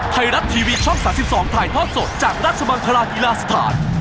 ไทรัตทีวีช่อง๓๒ไทยทอดสดจากรัฐบังคลาฮิลาศาสตร์